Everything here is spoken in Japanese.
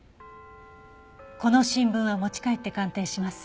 この新聞は持ち帰って鑑定します。